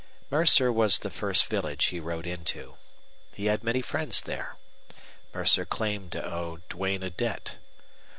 Mercer was the first village he rode into. He had many friends there. Mercer claimed to owe Duane a debt.